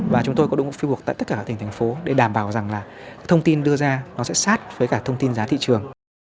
và chúng tôi có đội ngũ fieldwork tại tất cả các thành phố để đảm bảo rằng là thông tin đưa ra nó sẽ sát với cả thông tin giá thị trường